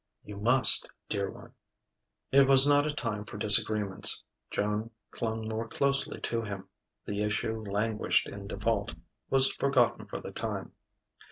"You must, dear one." It was not a time for disagreements. Joan clung more closely to him. The issue languished in default, was forgotten for the time....